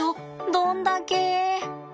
どんだけ。